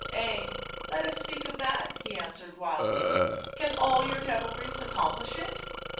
" Ay, let us speak of that," he answered wildly; " can all your devilries accomplish it